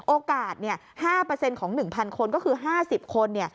โอกาส๕ของ๑๐๐คนก็คือ๕๐คน